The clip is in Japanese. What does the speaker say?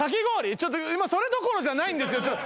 ちょっと今それどころじゃないんですよ。